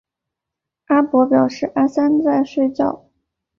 阿伯表示阿三在睡觉